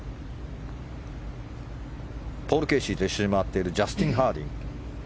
ポール・ケーシーと一緒に回っているジャスティン・ハーディング。